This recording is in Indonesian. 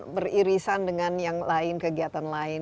beririsan dengan yang lain kegiatan lain